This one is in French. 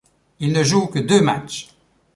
Il ne joue que deux matchs.